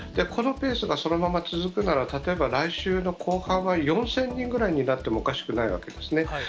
このペースがそのまま続くなら、例えば来週の後半は４０００人ぐらいになってもおかしくないわけですね。